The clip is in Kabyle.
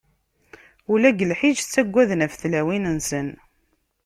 Ula deg lḥiǧ ttagaden ɣef tlawin-nsen!